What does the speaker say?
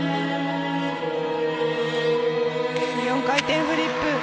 ４回転フリップ。